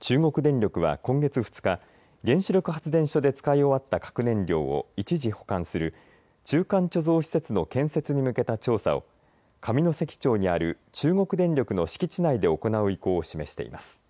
中国電力は今月２日原子力発電所で使い終わった核燃料を一時保管する中間貯蔵施設の建設に向けた調査を上関町にある中国電力の敷地内で行う意向を示しています。